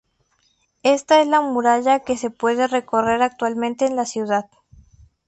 Esta es la muralla que se puede recorrer actualmente en la ciudad.